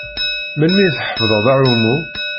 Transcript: Melmi i tḥefḍeḍ aɛummu?